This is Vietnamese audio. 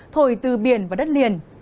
thổi từ biển và đất liền